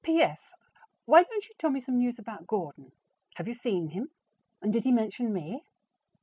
P.S. Why don't you tell me some news about Gordon? Have you seen him, and did he mention me?